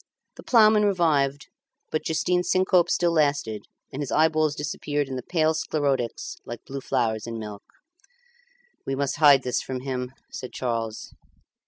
The ploughman revived, but Justin's syncope still lasted, and his eyeballs disappeared in the pale sclerotics like blue flowers in milk. "We must hide this from him," said Charles.